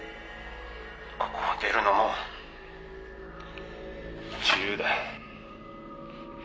「ここを出るのも自由だ！」